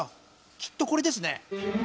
きっとこれですね。